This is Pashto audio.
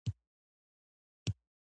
او په هره ټوټه کې یې